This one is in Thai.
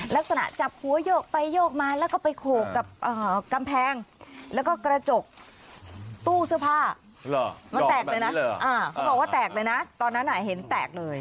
ลักษณะจับหัวโยกไปโยกมาแล้วก็ไปโขกกับกำแพงแล้วก็กระจกตู้เสื้อผ้า